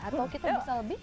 atau kita bisa lebih